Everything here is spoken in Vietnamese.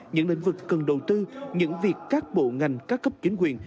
những lĩnh vực cần đầu tư những việc các bộ ngành các cấp chính quyền